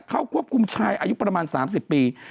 เข้าควบคุมชายอายุประมาณ๓๐ปี